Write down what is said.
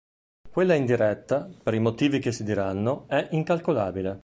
Quella indiretta, per i motivi che si diranno, è incalcolabile.